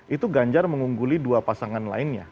itu ganjar mengungguli dua pasangan lainnya